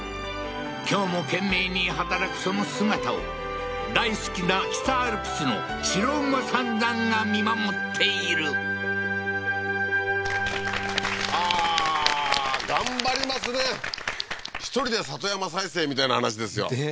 今日も懸命に働くその姿を大好きな北アルプスの白馬三山が見守っているはあー頑張りますね１人で里山再生みたいな話ですよねえ